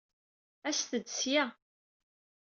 Aset-d seg-a.